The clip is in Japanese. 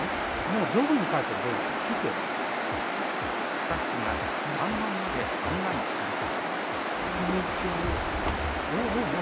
スタッフが看板まで案内すると。